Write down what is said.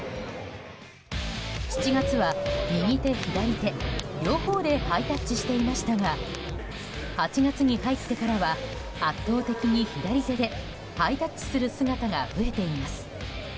７月は右手、左手両方でハイタッチしていましたが８月に入ってからは圧倒的に左手でハイタッチする姿が増えています。